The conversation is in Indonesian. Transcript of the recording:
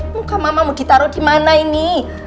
muka mama mau ditaruh di mana ini